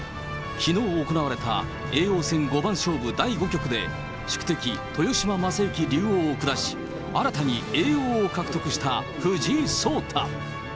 きのう行われた叡王戦五番勝負第５局で、宿敵、豊島将之竜王を下し、新たに叡王を獲得した藤井聡太。